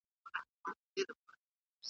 د ټولنې هر غړی خپله دنده ترسره کوي.